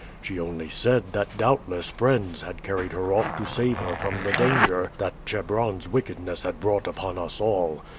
She only said that doubtless friends had carried her off to save her from the danger that Chebron's wickedness had brought upon us all.